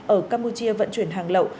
ở campuchia vận chuyển hàng lậu